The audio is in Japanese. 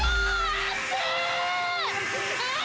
熱い！